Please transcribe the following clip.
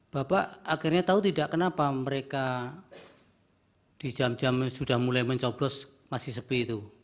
bapak akhirnya tahu tidak kenapa mereka di jam jam sudah mulai mencoblos masih sepi itu